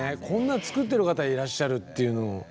こんな作ってる方いらっしゃるっていうのも。